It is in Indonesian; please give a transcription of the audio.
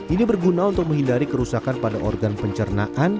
ini berguna untuk menghindari kerusakan pada organ pencernaan